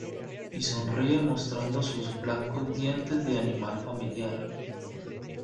y sonríe mostrando sus blancos dientes de animal familiar.